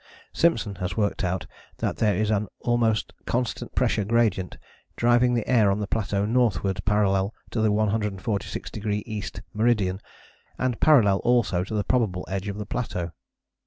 Simpson has worked out that there is an almost constant pressure gradient driving the air on the plateau northwards parallel to the 146° E. meridian, and parallel also to the probable edge of the plateau.